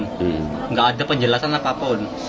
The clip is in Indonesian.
tidak ada penjelasan apapun